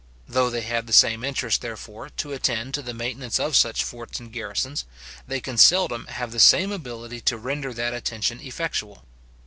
Though they had the same interest, therefore, to attend to the maintenance of such forts and garrisons, they can seldom have the same ability to render that attention effectual.